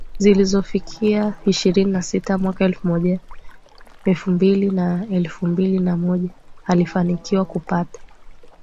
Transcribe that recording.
zinazofikia ishirini na sita Mwaka elfu mbili na elfu mbili na moja alifanikiwa kupata